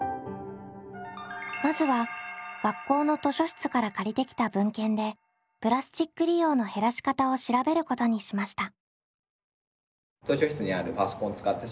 まずは学校の図書室から借りてきた文献でプラスチック利用の減らし方を調べることにしました。